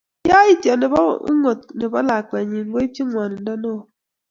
yaityo nebo ungot nebo lakwenyi ko koipchi ngwanindo neo